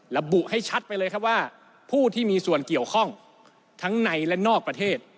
ระบุให้ชัดไปเลยครับว่าผู้ที่มีส่วนเกี่ยวข้องทั้งในและนอกประเทศ